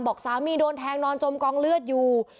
บอกสามีโดนแทงนอนจมกองเลือดอยู่